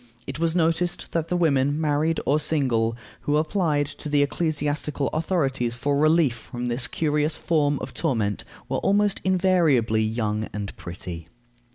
It was noticed that the women, married or single, who applied to the ecclesiastical authorities for relief from this curious form of torment were almost invariably young and pretty.